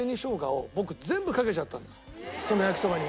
その焼きそばに。